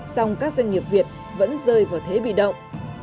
song các doanh nghiệp việt vẫn rơi vào thế bị động